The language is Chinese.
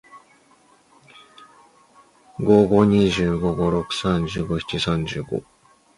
问君能有几多愁？恰似一江春水向东流